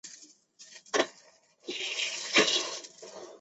此外相对的两块颈阔肌在颈前是否交叉也因人而异。